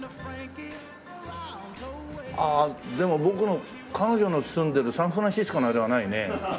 ああでも僕の彼女の住んでるサンフランシスコのあれはないね。